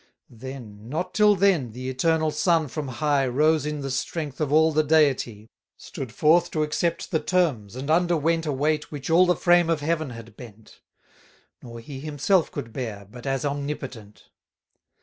Then, not till then, the Eternal Son from high 510 Rose in the strength of all the Deity: Stood forth to accept the terms, and underwent A weight which all the frame of heaven had bent. Nor he himself could bear, but as Omnipotent.